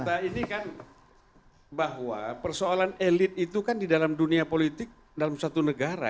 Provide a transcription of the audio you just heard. kita ini kan bahwa persoalan elit itu kan di dalam dunia politik dalam satu negara